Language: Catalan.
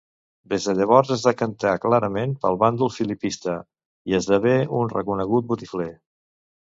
Des de llavors es decantà clarament pel bàndol filipista, i esdevé un reconegut botifler.